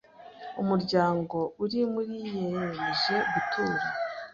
umuryango uri muyiyemeje gutura